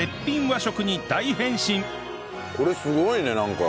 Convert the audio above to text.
これすごいねなんか。